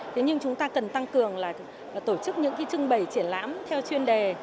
thế nhưng chúng ta cần tăng cường là tổ chức những cái trưng bày triển lãm theo chuyên đề